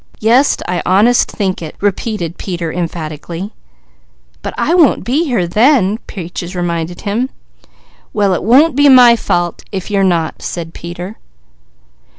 "Yes I honest think it," repeated Peter emphatically. "But I won't be here then," Peaches reminded him. "Well it won't be my fault, if you're not," said Peter.